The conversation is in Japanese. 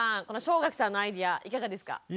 この正垣さんのアイデアいかがですか？